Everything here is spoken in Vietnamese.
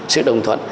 sự đồng thuận